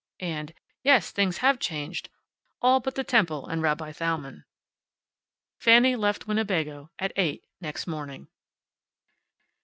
And, "Yes, things have changed. All but the temple, and Rabbi Thalmann." Fanny left Winnebago at eight next morning.